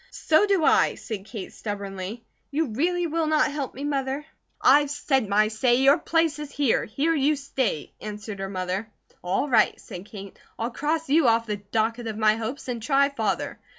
"So do I," said Kate, stubbornly. "You really will not help me, Mother?" "I've said my say! Your place is here! Here you stay!" answered her mother. "All right," said Kate, "I'll cross you off the docket of my hopes, and try Father."